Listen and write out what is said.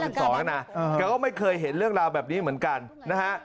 แกก็ไม่เคยเห็นเรื่องราวแบบนี้เหมือนกันนะฮะ